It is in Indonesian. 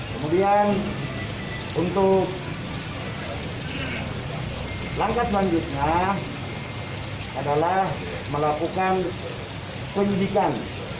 kemudian untuk langkah selanjutnya adalah melakukan penyidikan